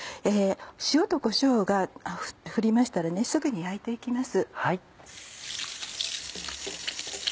塩とこしょうを振りましたらすぐに焼いていきます。